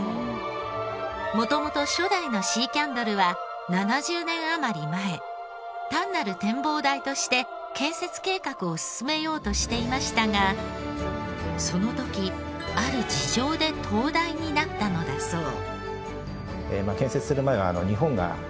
元々初代のシーキャンドルは７０年あまり前単なる展望台として建設計画を進めようとしていましたがその時ある事情で灯台になったのだそう。